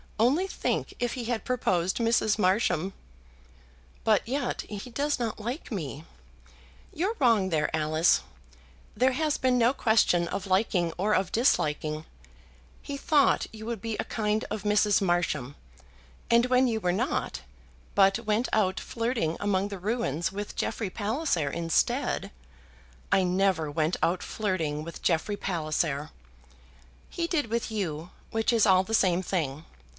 Only think if he had proposed Mrs. Marsham!" "But yet he does not like me." "You're wrong there, Alice. There has been no question of liking or of disliking. He thought you would be a kind of Mrs. Marsham, and when you were not, but went out flirting among the ruins with Jeffrey Palliser, instead " "I never went out flirting with Jeffrey Palliser." "He did with you, which is all the same thing.